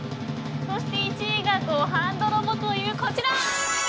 そして１位がご飯泥棒という、こちら。